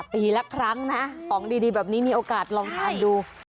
ปีละครั้งนะของดีแบบนี้มีโอกาสลองทานดู